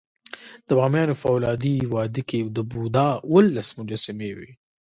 د بامیانو فولادي وادي کې د بودا اوولس مجسمې وې